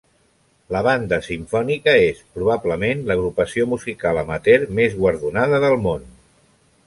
La Banda Simfònica és, probablement, l'agrupació musical amateur més guardonada del món.